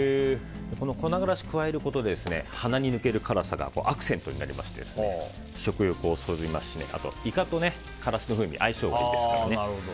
この粉辛子を加えることで鼻に抜ける辛さがアクセントになりまして食欲をそそりますしあと、イカと辛子の風味は相性がいいですからね。